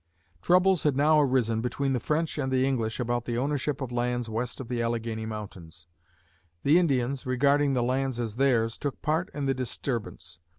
Troubles had now arisen between the French and the English about the ownership of lands west of the Alleghany Mountains. The Indians, regarding the lands as theirs, took part in the disturbance.